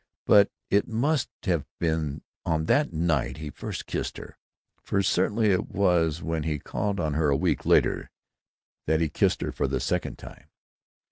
But it must have been on that night that he first kissed her. For certainly it was when he called on her a week later that he kissed her for the second time.